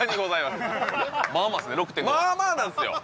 ６．５まあまあなんすよ